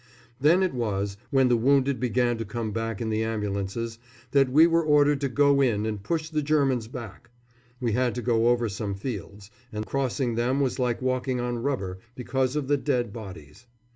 Then it was, when the wounded began to come back in the ambulances, that we were ordered to go in and push the Germans back. We had to go over some fields, and crossing them was like walking on rubber, because of the dead bodies.